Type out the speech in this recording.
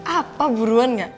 apa buruan gak